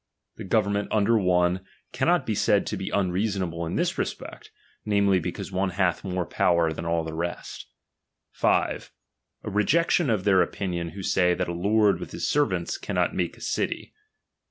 The government under one, cannot be said to be unreasonable in this respect, namely, because one bath more power than all the rest. 5. A rejection of their opinion, who say, that a lord with his servants cannot make a city.